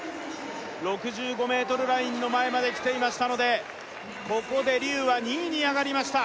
６５ｍラインの前まできていましたのでここで劉は２位に上がりました